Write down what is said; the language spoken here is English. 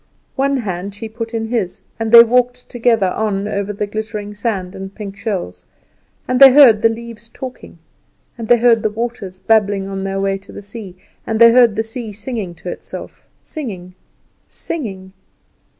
One hand she put in his, and together they walked on over the glittering sand and pink sea shells; and they heard the leaves talking, and they heard the waters babbling on their way to the sea, and they heard the sea singing to itself, singing, singing.